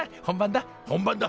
本番だ。